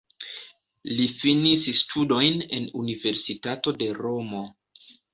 Li finis studojn en universitato de Romo.